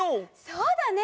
そうだね。